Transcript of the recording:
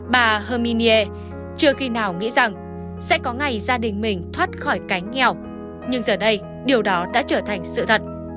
bà hamminier chưa khi nào nghĩ rằng sẽ có ngày gia đình mình thoát khỏi cái nghèo nhưng giờ đây điều đó đã trở thành sự thật